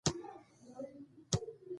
د خالد ښه راغلاست په کار دئ!